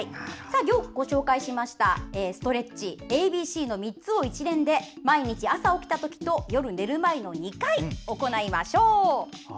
今日ご紹介したストレッチＡＢＣの３つを一連で毎日、朝起きた時と夜寝る前の２回行いましょう。